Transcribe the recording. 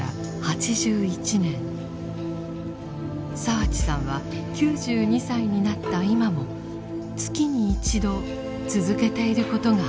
澤地さんは９２歳になった今も月に一度続けていることがあります。